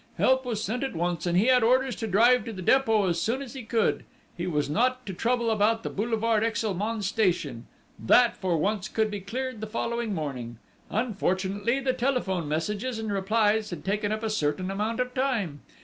Help was sent at once, and he had orders to drive to the Dépôt as soon as he could: he was not to trouble about the boulevard Exelmans station; that, for once, could be cleared the following morning. Unfortunately the telephone messages and replies had taken up a certain amount of time.